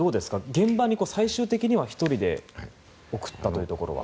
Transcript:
現場に最終的には１人で送ったというところは。